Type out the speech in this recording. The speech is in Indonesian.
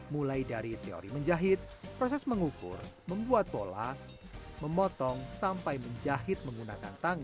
lu ha chat nih ya aku potong terus bisa